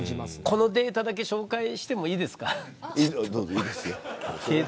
このデータだけ紹介してもいいですか。